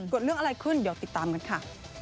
เกิดเรื่องอะไรขึ้นเดี๋ยวติดตามกันค่ะ